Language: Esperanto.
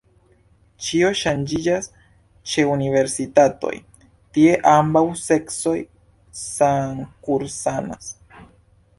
Ĉio ŝanĝiĝas ĉe universitatoj: tie ambaŭ seksoj samkursanas.